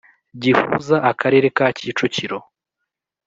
gihuza Akarere ka kicukiro